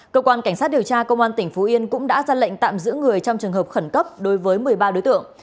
cơ quan cảnh sát điều tra công an tỉnh phú yên cũng đã ra lệnh tạm giữ người trong trường hợp khẩn cấp đối với một mươi ba đối tượng